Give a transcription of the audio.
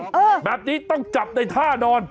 เออแบบนี้ต้องจับในท่านอน